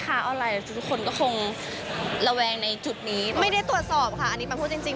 คุณก็คงระแวงในจุดนี้ไม่ได้ตรวจสอบค่ะอันนี้มันพูดจริง